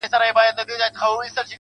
• ه زه تر دې کلامه پوري پاته نه سوم.